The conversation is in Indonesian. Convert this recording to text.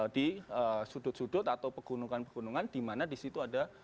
di sudut sudut atau pegunungan pegunungan dimana disitu ada